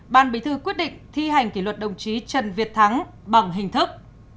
ban bí thư quyết định thi hành kỷ luật đồng chí trần việt thắng bằng hình thức